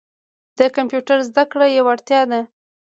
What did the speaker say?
د کمپیوټر زده کړه یوه اړتیا ده.